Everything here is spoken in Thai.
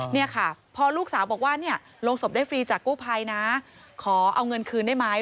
เนี่ยค่ะพอลูกสาวบอกว่าเนี่ยลงศพได้ฟรีจากกู้ภัยนะขอเอาเงินคืนได้ไหม